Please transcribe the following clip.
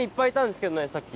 さっき。